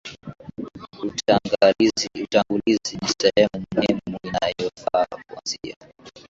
utangulizi ni sehemu muhimu inayofaa kuanzia